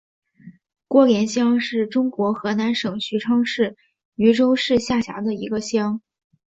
郭连乡是中国河南省许昌市禹州市下辖的一个乡。